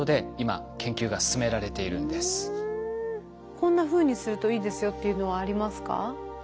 「こんなふうにするといいですよ」っていうのはありますか？